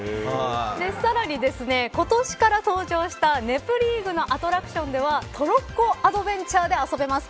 さらに今年から登場したネプリーグのアトラクションではトロッコアドベンチャーで遊べます。